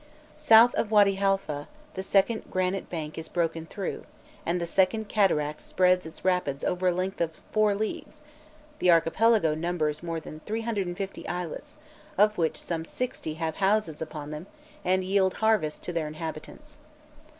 South of Wâdy Halfah, the second granite bank is broken through, and the second cataract spreads its rapids over a length of four leagues: the archipelago numbers more than 350 islets, of which some sixty have houses upon them and yield harvests to their inhabitants.